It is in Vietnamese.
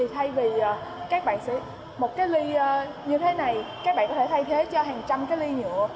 thay vì một ly như thế này các bạn có thể thay thế cho hàng trăm ly nhựa